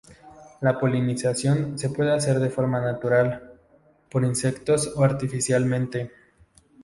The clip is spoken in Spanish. La polinización se puede hacer de forma natural, por insectos o artificialmente.